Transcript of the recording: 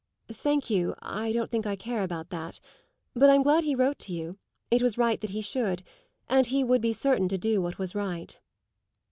"Thank you; I don't think I care about that. But I'm glad he wrote to you; it was right that he should, and he would be certain to do what was right."